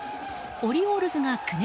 オリオールズが９年